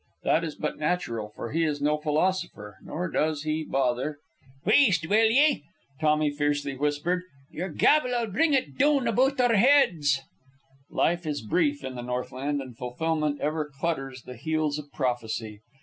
That is but natural; for he is no philosopher, nor does he bother " "Wheest, will ye!" Tommy fiercely whispered. "Your gabble'll bring it doon aboot oor heads." Life is brief in the Northland, and fulfilment ever clutters the heels of prophecy.